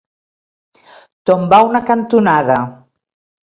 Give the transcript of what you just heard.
Tombar una cantonada.